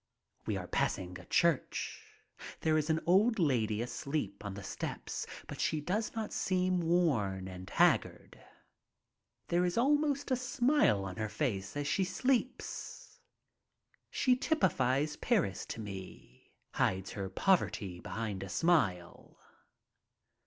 We are passing a church. There is an old woman asleep on the steps, but she does not seem worn and haggard. There is almost a smile on her face as she sleeps. She typifies Paris to me. Hides her poverty behind a smile.